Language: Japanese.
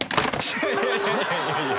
いやいやいやいや。